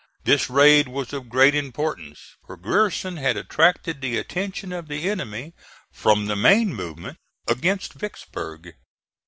This raid was of great importance, for Grierson had attracted the attention of the enemy from the main movement against Vicksburg.